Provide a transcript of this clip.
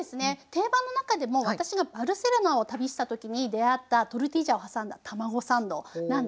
定番の中でも私がバルセロナを旅したときに出合ったトルティージャを挟んだ卵サンドなんですけど。